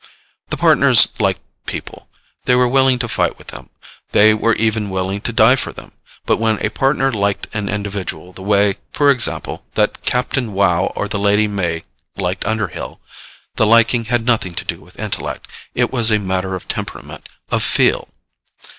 The Partners liked people. They were willing to fight with them. They were even willing to die for them. But when a Partner liked an individual the way, for example, that Captain Wow or the Lady May liked Underhill, the liking had nothing to do with intellect. It was a matter of temperament, of feel.